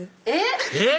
えっ⁉